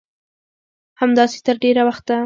همداسې تر ډېره وخته